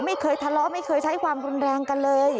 ไม่เคยทะเลาะไม่เคยใช้ความรุนแรงกันเลย